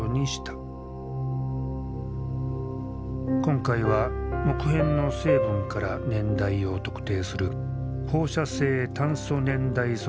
今回は木片の成分から年代を特定する放射性炭素年代測定を行う。